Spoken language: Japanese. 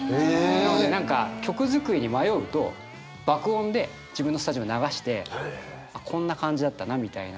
なので何か曲作りに迷うと爆音で自分のスタジオで流してあっこんな感じだったなみたいな。